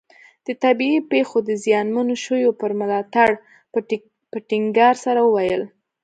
د طبیعي پېښو د زیانمنو شویو پر ملاتړ په ټینګار سره وویل.